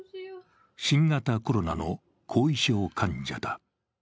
新型コロナの後遺症患者だ。